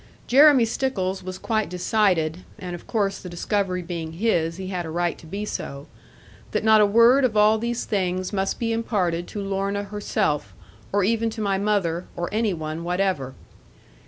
Jeremy Stickles was quite decided and of course the discovery being his, he had a right to be so that not a word of all these things must be imparted to Lorna herself, or even to my mother, or any one whatever.